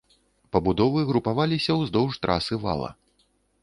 Пабудовы групаваліся ўздоўж трасы вала.